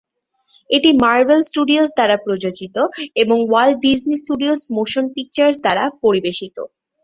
এটি Marvel Studios দ্বারা প্রযোজিত এবং Walt Disney Studios motion pictures দ্বারা পরিবেশিত।